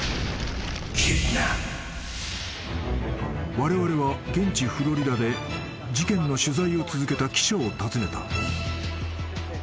［われわれは現地フロリダで事件の取材を続けた記者を訪ねた］